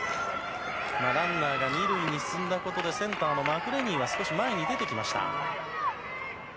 ランナーが２塁に進んだことで、センターのマクレニーが少し前に出てきました。